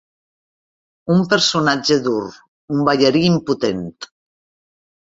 Un personatge dur, un ballarí impotent.